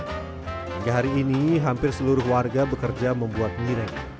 hingga hari ini hampir seluruh warga bekerja membuat mirek